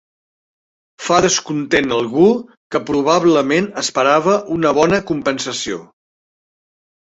Fa descontent algú que probablement esperava una bona compensació.